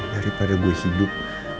daripada gue sibuk